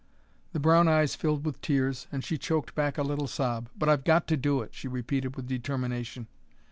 The brown eyes filled with tears, and she choked back a little sob. "But I've got to do it," she repeated with determination.